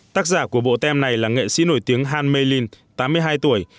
tác giả của bộ tem này là nghệ sĩ nổi tiếng han meilin tám mươi hai tuổi